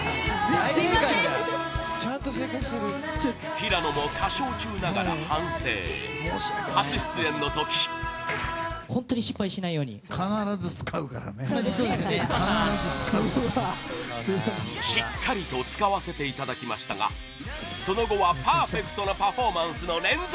平野も歌唱中ながら反省初出演の時しっかりと使わせていただきましたがその後はパーフェクトなパフォーマンスの連続！